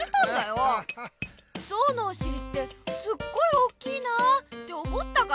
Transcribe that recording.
ゾウのおしりってすっごい大きいなあって思ったから。